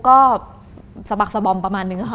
ก็สบักสบองประมาณหนึ่งเออ